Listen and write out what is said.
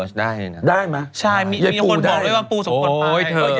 ได้นะได้ไหมใช่มีคนบอกเลยว่าปูส่งตนไปโอ้ยเธอ